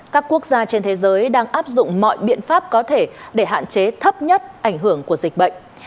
các quốc gia trên thế giới đang áp dụng mọi biện pháp có thể để hạn chế thấp nhất ảnh hưởng của dịch bệnh